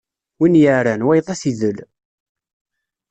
Win yeɛran, wayeḍ ad t-idel.